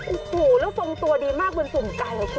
อุ้โหแล้วทรงตัวดีมากเวินสุ่มไก่เหรอคุณ